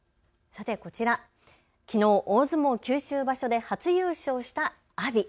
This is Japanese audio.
さてこちら、きのう大相撲九州場所で初優勝した阿炎。